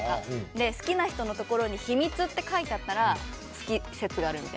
で好きな人のところに秘密って書いてあったら好き説があるみたいな。